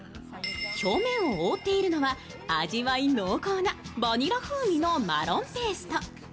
表面を覆っているのは味わい濃厚なバニラ風味のマロンペースト。